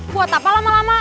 buat apa lama lama